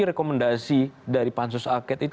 rekomendasi dari pansus aket